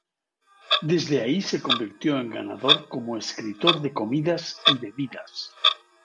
Desde ahí se convirtió en ganador como escritor de comidas y bebidas.